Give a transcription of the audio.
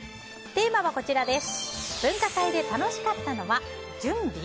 テーマは文化祭で楽しかったのは準備？